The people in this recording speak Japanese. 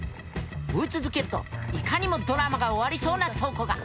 追い続けるといかにもドラマが終わりそうな倉庫が。